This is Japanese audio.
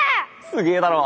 すげえだろ？